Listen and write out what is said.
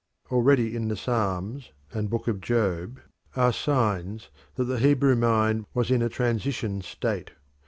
Already in the Psalms and Book of Job are signs that the Hebrew mind was in a transition state.